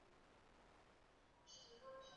不太确定你讲的是哪个